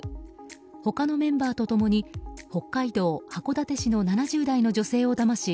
他のメンバーと共に北海道函館市の７０代の女性をだまし